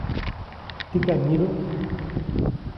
¿tikam myidu?